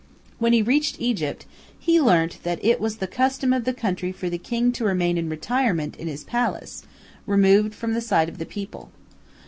When he reached Egypt, he learnt that it was the custom of the country for the king to remain in retirement in his palace, removed from the sight of the people.